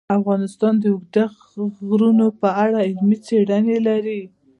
افغانستان د اوږده غرونه په اړه علمي څېړنې لري.